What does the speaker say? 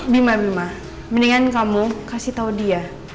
bima bima mendingan kamu kasih tahu dia